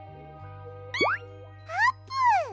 あーぷん！